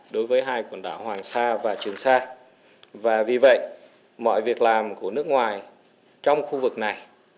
đối với hai quần đảo hoàng sa và trường sa và vì vậy mọi việc làm của nước ngoài trong khu vực này